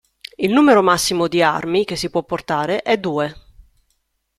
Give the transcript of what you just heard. Il numero massimo di Armi che si può portare è due.